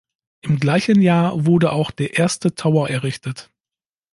Im gleichen Jahr wurde auch der erste Tower errichtet.